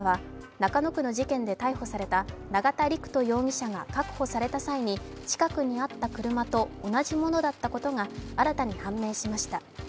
捜査関係者への取材でこのうちシルバーのレンタカーは中野区の事件で逮捕された永田陸人容疑者が確保された際に近くにあった車と同じものだったことが新たに判明しました。